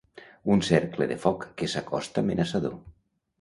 Un cercle de foc que s'acosta amenaçador.